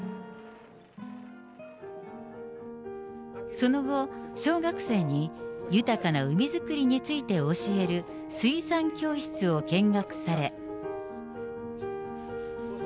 その後、小学生に豊かな海づくりについて教える水産教室を見学され。